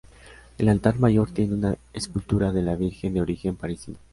El altar mayor tiene una escultura de la Virgen de origen parisino.